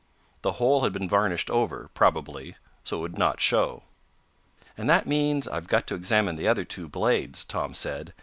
The hole had been varnished over, probably, so it would not show. "And that means I've got to examine the other two blades," Tom said.